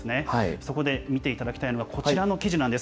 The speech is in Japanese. そこで見ていただきたいのが、こちらの記事なんです。